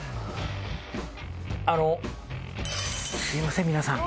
すいません皆さん。